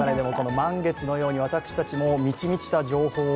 満月のように私たちもみちみちした情報を